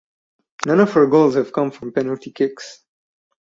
None of her goals have come from penalty kicks.